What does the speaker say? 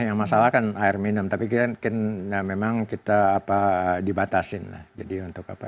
yang masalah kan air minum tapi memang kita dibatasin